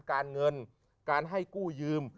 การเงินการให้กู้ยืม